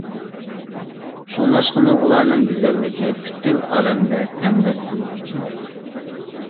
شۇڭلاشقىمۇ ئۇلارنىڭ گۈزەللىكى پۈتكۈل ئالەمدە تەڭداشسىز ئىكەن.